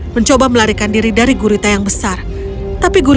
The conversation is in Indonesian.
mencoba melarikan diri dari gurita yang besar